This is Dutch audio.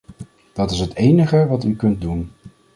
Dat is het enige wat u kunt doen.